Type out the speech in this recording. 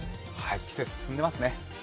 季節、進んでいますね。